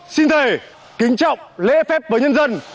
xin thề kính trọng lễ phép với nhân dân